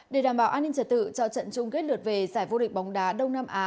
để đảm bảo an ninh trật tự cho trận chung kết lượt về giải vô địch bóng đá đông nam á